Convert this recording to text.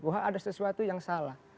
bahwa ada sesuatu yang salah